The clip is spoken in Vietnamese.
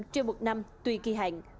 trên một năm tùy kỳ hạn